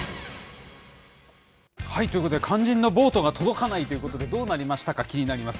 ということで、肝心のボートが届かないということで、どうなりましたか、気になります。